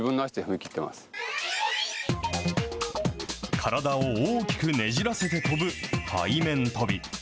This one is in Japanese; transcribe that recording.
体を大きくねじらせて跳ぶ背面跳び。